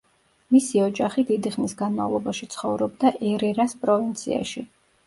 მისი ოჯახი დიდი ხნის განმავლობაში ცხოვრობდა ერერას პროვინციაში.